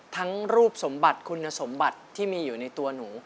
รูปสมบัติคุณสมบัติที่มีอยู่ในตัวหนู